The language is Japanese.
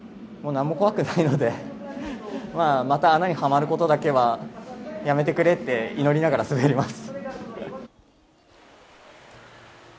もう何も怖くないので、また穴にハマることだけは、やめてくれって祈りながら滑ります。